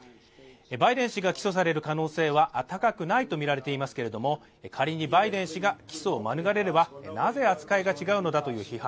バイデン氏が起訴される可能性は高くないとみられていますけれども、仮にバイデン氏起訴を免れればなぜ扱いが違うのだという批判